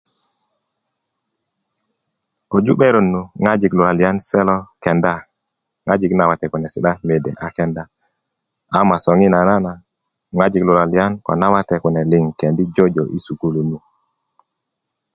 koju 'beron nu ŋojik luwaliyan se lo kenda ŋojik nawate kune sida mede a kenda ama soŋinana ŋojik luwalian ko nawate kune kendi' jojo yi sukulu yu